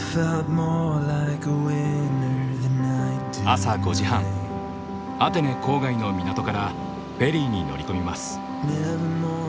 朝５時半アテネ郊外の港からフェリーに乗り込みます。